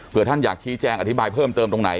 เพื่อท่านอยากชี้แจงอธิบายเพิ่มเติมตรงไหน